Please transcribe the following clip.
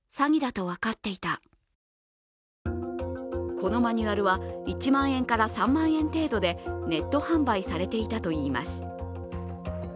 このマニュアルは、１万円から３万円程度でネット販売されていたといいます。